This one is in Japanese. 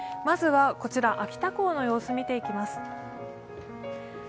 まずはこちら秋田港の様子を見ていきます。